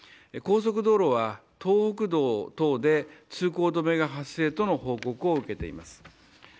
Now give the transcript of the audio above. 高速道路は東北道等で通行止めが発生との報告を受けています。